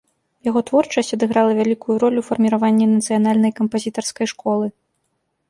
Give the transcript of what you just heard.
Яго творчасць адыграла вялікую ролю ў фарміраванні нацыянальнай кампазітарскай школы.